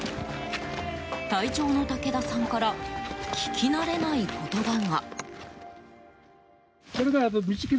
隊長の武田さんから聞き慣れない言葉が。